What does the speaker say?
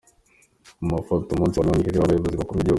Mu mafoto: Umunsi wa nyuma w’umwihrero w’abayobozi bakuru b’igihugu.